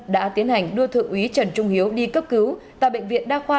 đã tiến hành đưa thượng úy trần trung hiếu đi cấp cứu tại bệnh viện đa khoa